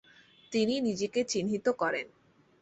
তিনি নিজেকে চিহ্নিত করেন।